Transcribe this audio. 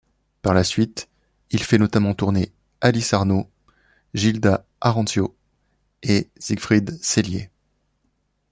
Par la suite, il fait notamment tourner Alice Arno, Gilda Arancio et Siegried Cellier.